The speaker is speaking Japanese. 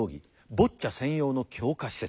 「ボッチャ専用の強化施設」。